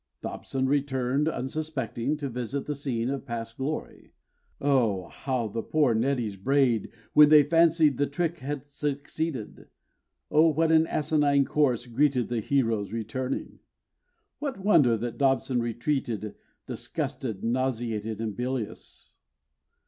Dobson returned unsuspecting, to visit the scene of past glory, Oh! how the poor neddies brayed when they fancied the trick had succeeded, Oh! what an asinine chorus greeted the hero's returning! What wonder that Dobson retreated disgusted, nauseated, and bilious?